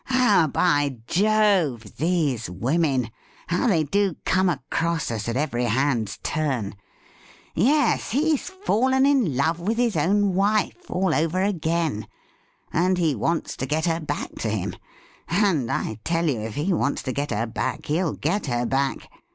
Oh, by Jove ! these women — ^how they do come across us at every hand's turn ! Yes, he's fallen in love with his own wife all over again, and he wants to ^et her back to him, and, I tell you, if he wants to get her back he'll get her back